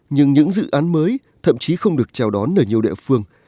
nhưng những dự án mới thậm chí không được chào đón ở nhiều địa phương